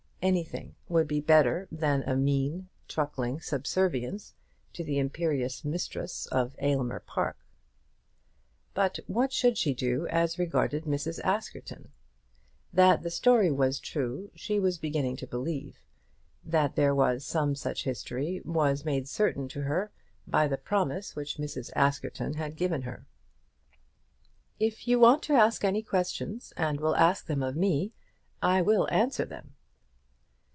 Anything would be better than a mean, truckling subservience to the imperious mistress of Aylmer Park. But what should she do as regarded Mrs. Askerton? That the story was true she was beginning to believe. That there was some such history was made certain to her by the promise which Mrs. Askerton had given her. "If you want to ask any questions, and will ask them of me, I will answer them."